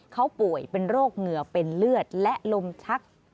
เขาป่วยเป็นโรคเหงื่อเป็นเลือดและลมชัก